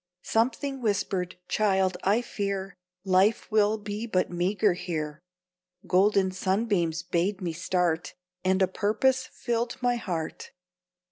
Something whispered, "Child, I fear Life will be but meager here." Golden sunbeams bade me start, And a purpose filled my heart.